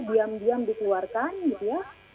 diam diam dikeluarkan gitu ya